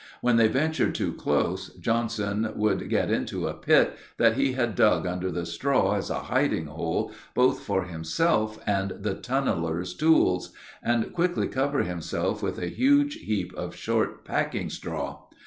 When they ventured too close, Johnson would get into a pit that he had dug under the straw as a hiding hole both for himself and the tunnelers' tools, and quickly cover himself with a huge heap of short packing straw.